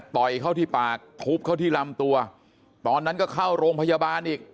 ต่อยเข้าที่ปากทุบเข้าที่ลำตัวตอนนั้นก็เข้าโรงพยาบาลอีก